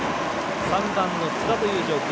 ３番の津田という状況。